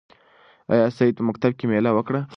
آیا سعید په مکتب کې مېله وکړه؟